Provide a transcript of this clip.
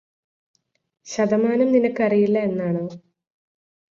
ശതമാനം നിനക്ക് അറിയില്ല എന്നാണോ